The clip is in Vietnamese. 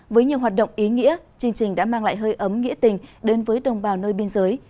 với nhiều hoạt động ý nghĩa chương trình đã mang lại hơi ấm nghĩa tình đến với đồng bào nơi biên giới